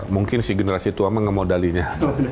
mungkin generasi tua nge modalinya